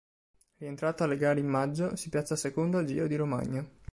Rientrato alle gare in maggio, si piazza secondo al Giro di Romagna.